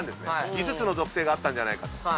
５つの属性があったんではないかと。